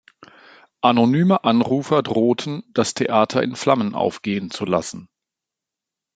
Anonyme Anrufer drohten, das Theater in Flammen aufgehen zu lassen.